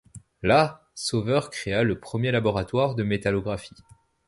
Là, Sauveur créa le premier laboratoire de métallographie.